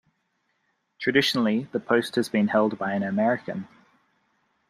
Traditionally, the post has been held by an American.